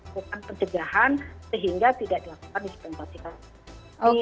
bukan pencegahan sehingga tidak dilakukan dispensasi kawin